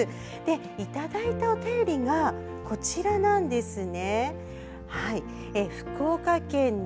いただいたお便りがこちらなんですね。